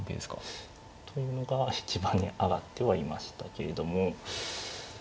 というのが一番に挙がってはいましたけれども。